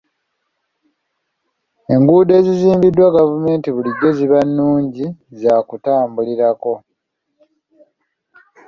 Enguudo ezizimbiddwa gavumenti bulijjo ziba nnungi za kutambulirako.